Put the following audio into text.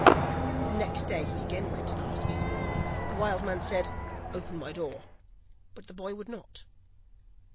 The next day he again went and asked for his ball; the wild man said: 'Open my door,' but the boy would not.